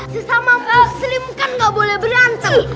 sesama muslim kan gak boleh berantem